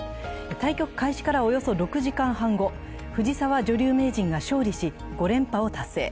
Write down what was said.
対局開始からおよそ６時間半後、藤沢女流名人が勝利し５連覇を達成。